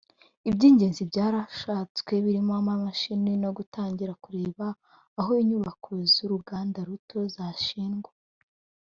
“Iby’ingenzi byarashatswe birimo amamashini no gutangira kureba aho inyubako z’uruganda ruto zashyirwa